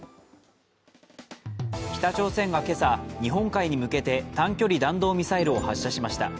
北朝鮮がけさ、日本海に向けて短距離弾道ミサイルを発射しました。